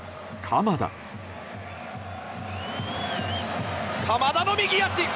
鎌田の右足。